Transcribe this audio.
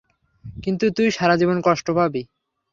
কিন্তু তুই সারাজীবন কষ্ট পাবি।